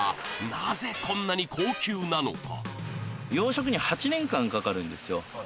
なぜこんなに高級なのか？